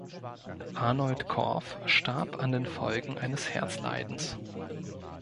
Arnold Korff starb an den Folgen eines Herzleidens.